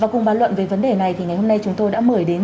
cùng bàn luận về vấn đề này thì ngày hôm nay chúng tôi đã mời đến